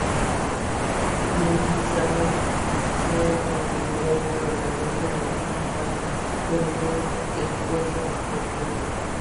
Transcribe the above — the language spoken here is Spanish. Mendizabal se autonombró gobernador federal de San Juan, pero fue depuesto por Corro.